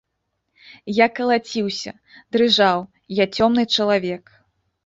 Я калаціўся, дрыжаў, я цёмны чалавек.